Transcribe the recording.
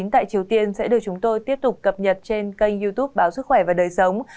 tại triều tiên sẽ được chúng tôi tiếp tục cập nhật trên kênh youtube báo sức khỏe và đời sống